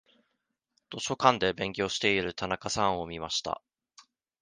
図書館で勉強している田中さんを見ました。